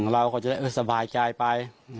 เราก็จะได้สบายใจไป